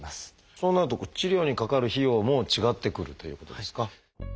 そうなると治療にかかる費用も違ってくるということですか？